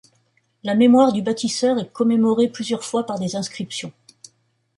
La mémoire du bâtisseur est commémorée plusieurs fois par des inscriptions.